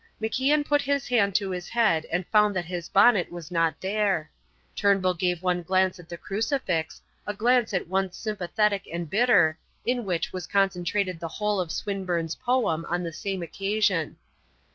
MacIan put his hand to his head and found that his bonnet was not there. Turnbull gave one glance at the crucifix a glance at once sympathetic and bitter, in which was concentrated the whole of Swinburne's poem on the same occasion.